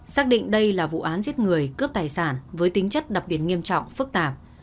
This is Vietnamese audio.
xác định đây là vụ án giết người cướp tài sản với tính chất đặc biệt nghiêm trọng phức tạp